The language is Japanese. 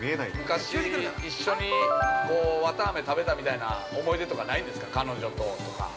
◆昔一緒に綿あめ食べたみたいな思い出とかないんですか彼女ととか。